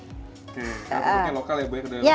satu kedelai lokal ya banyak kedelai lokal ya